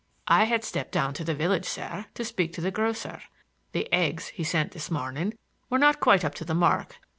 "I had stepped down to the village, sir, to speak to the grocer. The eggs he sent this morning were not quite up to the mark.